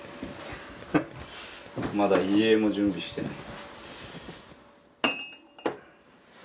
まだ遺影も準備してない。